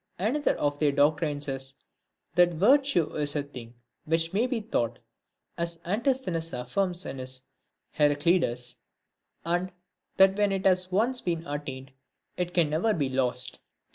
Another of their doctrines is, that virtue is a thing which may be taught, as Antisthenes affirms in his Heraclides ; and that when it has once been attained it can never be lost.